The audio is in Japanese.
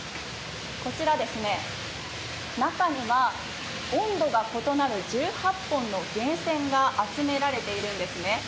こちら、中には温度が異なる１８本の源泉が集められているんですね。